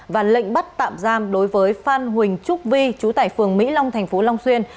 và lệnh bắt tạm giam đối với phan huỳnh trúc vi chú tải phường mỹ long tp long xuyên